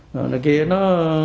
rồi nơi kia nó